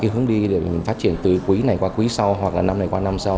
hướng đi để mình phát triển từ quý này qua quý sau hoặc là năm này qua năm sau